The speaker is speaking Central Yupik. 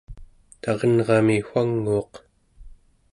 tarenrami wanguuq